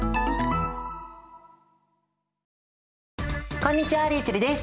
こんにちはりゅうちぇるです。